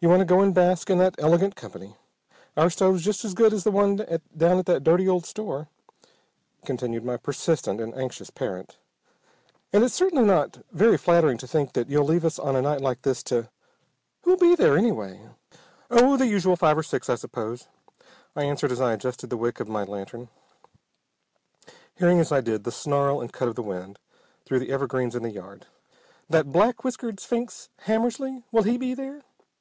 You want to go and bask in that elegant company. Our stove's just as good as the one down at that dirty old store," continued my persistent and anxious parent, "and it's certainly not very flattering to think that you leave us on a night like this to Who'll be there, anyway?" "Oh, the usual five or six I suppose," I answered as I adjusted the wick of my lantern, hearing as I did the snarl and cut of the wind through the evergreens in the yard. "That black whiskered sphinx, Hammersly, will he be there?"